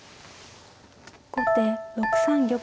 後手６三玉。